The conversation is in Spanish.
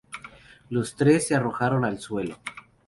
Los tres se arrojan al suelo.